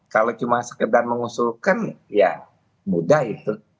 kalau cuma sekedar mengusulkan ya mudah itu